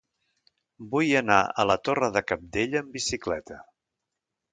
Vull anar a la Torre de Cabdella amb bicicleta.